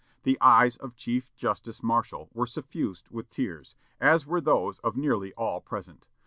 The eyes of Chief Justice Marshall were suffused with tears, as were those of nearly all present.